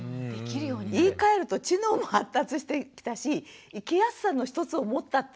言いかえると知能も発達してきたし生きやすさの一つを持ったってことじゃない？